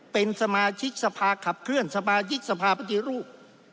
เป็นสมาชิกสภาขับเคลื่อนสมาชิกสภาปฏิรูป